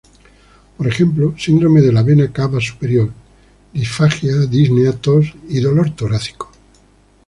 Por ejemplo, síndrome de la vena cava superior, disfagia, disnea, tos y dolor torácico.